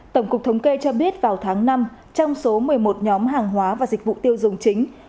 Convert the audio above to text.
tổng cục thống kê cho biết vào tháng năm trong số một mươi một nhóm hàng hóa và dịch vụ tiêu dùng chính